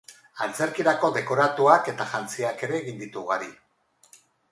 Antzerkirako dekoratuak eta jantziak ere egin ditu ugari.